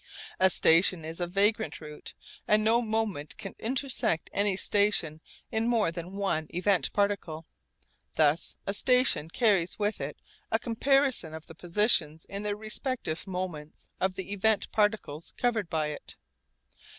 A station is a vagrant route and no moment can intersect any station in more than one event particle. Thus a station carries with it a comparison of the positions in their respective moments of the event particles covered by it.